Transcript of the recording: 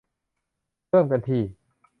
เริ่มกันที่